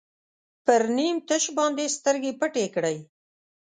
پر نیم تش باندې سترګې پټې کړئ.